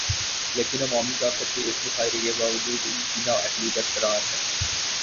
لیکن عوامی طاقت کے اس مظاہرے کے باوجود ان کی نااہلی برقرار ہے۔